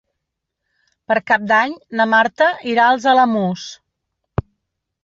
Per Cap d'Any na Marta irà als Alamús.